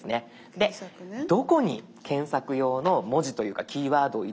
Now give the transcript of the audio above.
でどこに検索用の文字というかキーワードを入れれば。